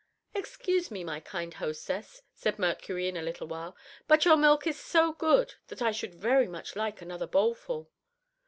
"Excuse me, my kind hostess," said Mercury in a little while, "but your milk is so good that I should very much like another bowlful."